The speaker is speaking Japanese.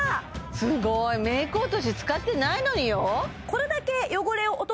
すごいメイク落とし使ってないのによ